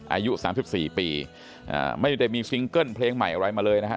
อายุ๓๔ปีไม่ได้มีซิงเกิ้ลเพลงใหม่อะไรมาเลยนะฮะ